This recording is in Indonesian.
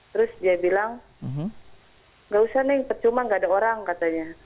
terus dia bilang tidak usah nenek percuma tidak ada orang katanya